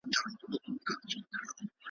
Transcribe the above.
سل ځله مي وایستل توبه له لېونتوب څخه `